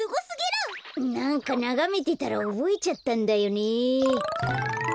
なんかながめてたらおぼえちゃったんだよね。